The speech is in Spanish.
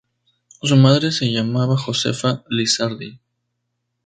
Su madre se llamaba Josefa Lizardi.